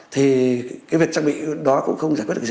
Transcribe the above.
thì cái việc trang bị đó cũng không giải quyết được gì